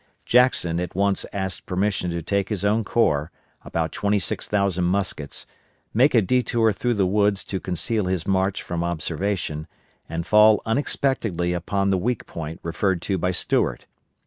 Jackson at once asked permission to take his own corps about 26,000 muskets make a detour through the woods to conceal his march from observation, and fall unexpectedly upon the weak point referred to by Stuart.